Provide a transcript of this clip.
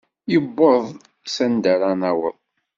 Iwweḍ s anda ara naweḍ.